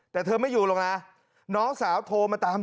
แต่เธอไม่อยู่หรอกนะน้องสาวโทรมาตาม